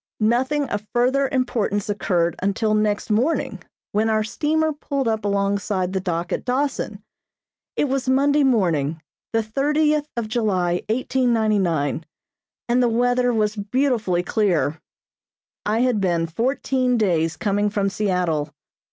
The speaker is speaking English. Nothing of further importance occurred until next morning when our steamer pulled up alongside the dock at Dawson. It was Monday morning, the thirtieth of July, 1899, and the weather was beautifully clear. I had been fourteen days coming from Seattle.